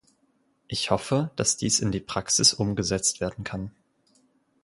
Ich hoffe, dass dies in die Praxis umgesetzt werden kann.